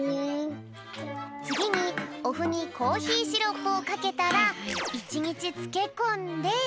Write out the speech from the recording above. つぎにおふにコーヒーシロップをかけたら１にちつけこんで。